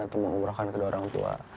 atau mengumrohkan kedua orang tua